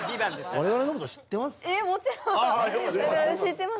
我々のこと知ってます？